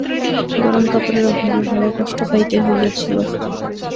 গরম কাপড়ের অভাবে বড় কষ্ট পাইতে হইয়াছিল।